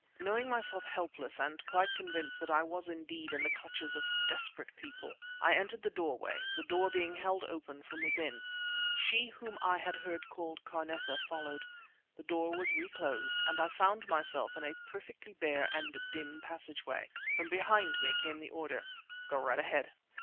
Knowing myself helpless and quite convinced that I was indeed in the clutches of desperate people, I entered the doorway, the door being held open from within. She whom I had heard called Carneta followed. The door was reclosed; and I found myself in a perfectly bare and dim passageway. From behind me came the order— "Go right ahead!"